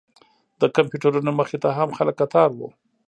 د کمپیوټرونو مخې ته هم خلک کتار و.